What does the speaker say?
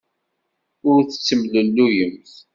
Ur tettemlelluyemt.